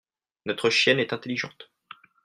notre chienne est intelligente.